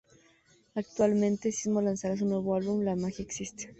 Actualmente, Sismo lanzará su nuevo álbum, La Magia Existe.